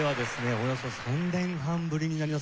およそ３年半ぶりになります